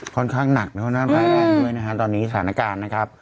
ค่อนข้างหนักนะครับร้ายแรงด้วยนะฮะตอนนี้สถานการณ์นะครับ